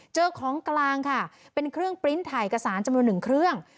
เจอของกลางค่ะเป็นเครื่องปริ้นต์ถ่ายเอกสารจำนวนหนึ่งเครื่อง